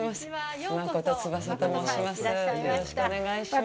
よろしくお願いします。